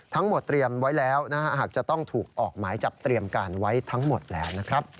ทั้งหมดเตรียมไว้แล้วนะฮะหากจะต้องถูกออกหมายจับเตรียมการไว้ทั้งหมดแล้วนะครับ